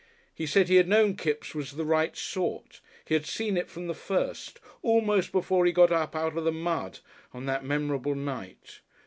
He said he had known Kipps was the right sort, he had seen it from the first, almost before he got up out of the mud on that memorable night.